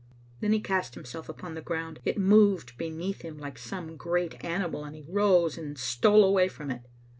Then he cast himself upon the ground. It moved beneath him like some great animal, and he rose and stole away from it.